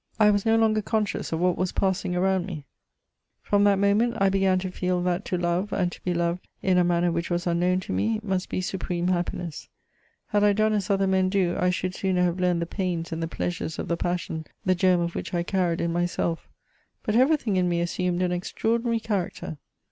I was no longer conscious of what was passing around me. CHATEAUBRIAND. 1 33 From that moment, I began to feel that to love, and to be loved in a manner which was unknown to me, must be supreme happiness. Had I done as other men do, I should sooner have learned the pains and the pleasures of the passion, the germ of which I carried in myself; but everything in me assumed an extraordinary character.